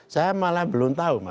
saya malah belum tahu